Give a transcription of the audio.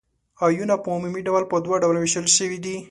آیونونه په عمومي ډول په دوه ډلو ویشل شوي دي.